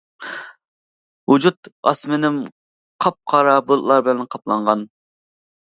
ۋۇجۇد ئاسمىنىم قاپقارا بۇلۇتلار بىلەن قاپلانغان.